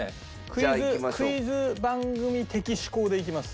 クイズ番組的思考でいきます。